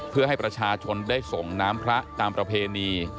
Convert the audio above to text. เพื่อให้ประชาชนได้ส่งน้ำพระตามประเพณี